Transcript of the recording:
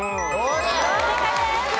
正解です。